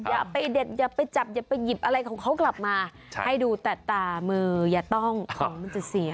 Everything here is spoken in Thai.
อย่าไปเด็ดอย่าไปจับอย่าไปหยิบอะไรของเขากลับมาให้ดูแต่ตามืออย่าต้องของมันจะเสีย